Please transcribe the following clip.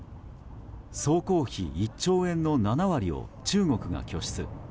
総工費１兆円の７割を中国が拠出。